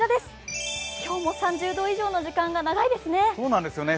今日も３０度以上の時間が長いですよね。